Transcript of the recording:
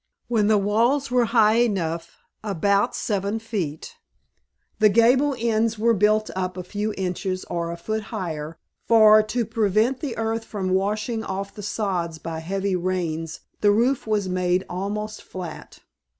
When the walls were high enough, about seven feet, the gable ends were built up a few inches or a foot higher, for, to prevent the earth from washing off the sods by heavy rains, the roof was made almost flat.